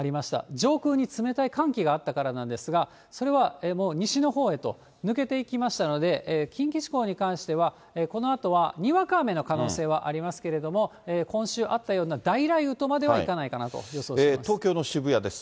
上空に冷たい寒気があったからなんですが、それはもう西のほうへと抜けていきましたので、近畿地方に関しては、このあとはにわか雨の可能性はありますけれども、今週あったような大雷雨とまではいかないかなと予想しています。